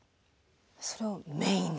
それをメインで？